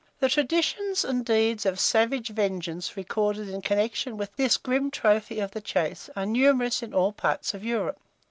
The traditions and deeds of savage vengeance recorded in connection with this grim trophy of the chase are numerous in all parts of Europe.